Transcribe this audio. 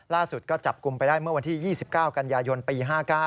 ล่าสุดก็จับกลุ่มไปได้เมื่อวันที่๒๙กันยายนปี๕๙